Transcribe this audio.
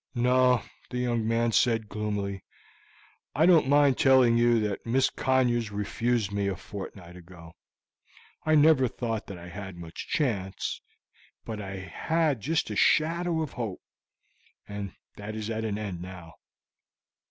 "No," the young man said gloomily; "I don't mind telling you that Miss Conyers refused me a fortnight ago. I never thought that I had much chance, but I had just a shadow of hope, and that is at an end now."